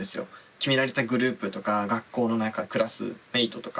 決められたグループとか学校の中クラスメートとか。